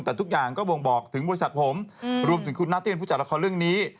แต่ทุกอย่างก็บ่งบอกถึงบริษัทผมรวมถึงคุณนัทที่เป็นผู้จัดละครเรื่องนี้